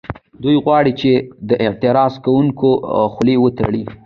دوی غواړي چې د اعتراض کوونکو خولې وتړي